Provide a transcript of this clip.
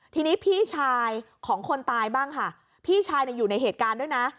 ทีนี้พี่ชายของคนตายบ้างค่ะพี่ชายอยู่ในเหตุการณ์ด้วยนะ